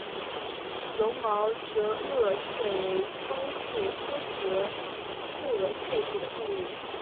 绒毛折颚蟹为方蟹科折颚蟹属的动物。